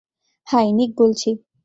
High, Nick বলছি।